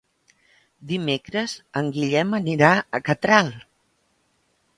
Dimecres en Guillem anirà a Catral.